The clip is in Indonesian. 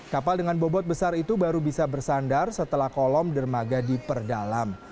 kapal dengan bobot besar itu baru bisa bersandar setelah kolom dermaga diperdalam